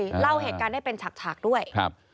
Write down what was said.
เล่าเหตุการณ์ได้เป็นฉากด้วย